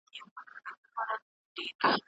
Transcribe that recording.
پرله پسې وچکالی کروندي له منځه یوړي.